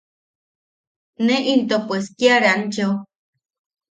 Ne into pues kia rancheo.